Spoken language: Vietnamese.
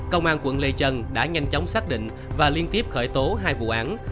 công an quận lê trân đã nhanh chóng xác định và liên tiếp khởi tố hai vụ án